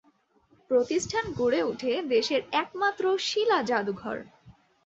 প্রতিষ্ঠানে গড়ে উঠে দেশের একমাত্র শিলা জাদুঘর।